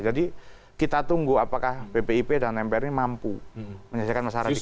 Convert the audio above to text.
jadi kita tunggu apakah bpip dan mpr ini mampu menyelesaikan masalah radikalisme